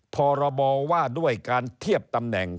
พรบว่าด้วยการเทียบตำแหน่ง